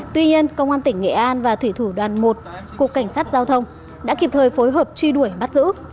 tuy nhiên công an tỉnh nghệ an và thủy thủ đoàn một cục cảnh sát giao thông đã kịp thời phối hợp truy đuổi bắt giữ